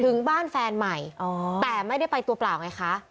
ถึงบ้านแฟนใหม่แต่ไม่ได้ไปตัวเปล่าไงคะ